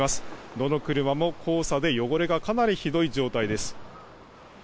どの車も黄砂で汚れがかなりひどい状態です。